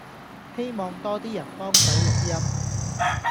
希望多 D 人幫手錄音